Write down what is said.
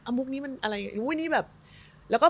ไม่ทันแล้วอะ